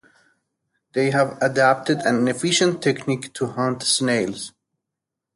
They have adapted an efficient technique to hunt snails.